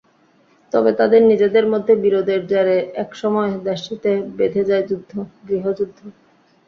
তবে তাদের নিজেদের মধ্যে বিরোধের জেরে একসময় দেশটিতে বেধে যায় গৃহযুদ্ধ।